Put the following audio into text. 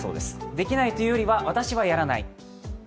できないというよりは私はやらない。